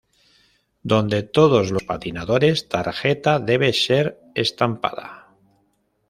Dónde todo los patinadores tarjeta debe ser estampada.